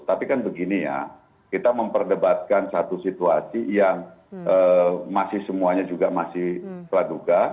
tapi kan begini ya kita memperdebatkan satu situasi yang masih semuanya juga masih praduga